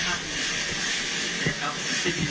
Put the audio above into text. สวัสดีค่ะที่จอมฝันครับ